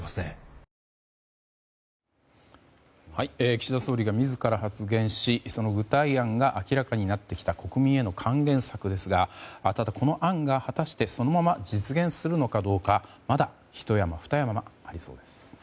岸田総理が自ら発言しその具体案が明らかになってきた国民への還元策ですがただ、この案が果たしてそのまま実現するのかどうかまだひと山、ふた山ありそうです。